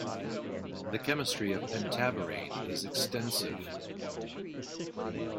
The chemistry of pentaborane is extensive.